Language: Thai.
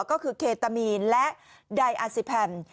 ก็คือเคตามีนและไดอาซิแพม